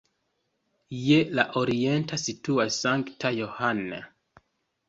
Je la orienta situas Sankta Johann.